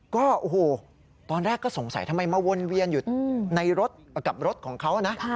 ก็โอ้โหตอนแรกก็สงสัยทำไมมาวนเวียนอยู่ในรถกับรถของเขานะ